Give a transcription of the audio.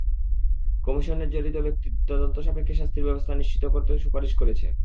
Commission জড়িত ব্যক্তিদের তদন্ত সাপেক্ষে শাস্তির ব্যবস্থা নিশ্চিত করার সুপারিশ করেছে।